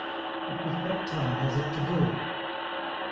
But with what time has it to do?